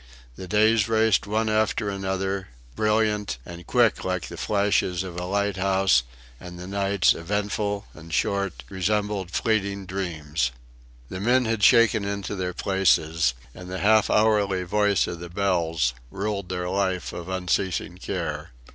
The days raced after one another, brilliant and quick like the flashes of a lighthouse, and the nights, eventful and short, resembled fleeting dreams. The men had shaken into their places, and the half hourly voice of the bells ruled their life of unceasing care.